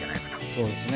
そうですね。